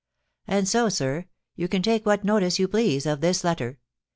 And so, sir, you can take what notice you please of this letter.